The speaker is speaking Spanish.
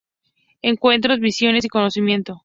Encuentros, visiones, y conocimiento.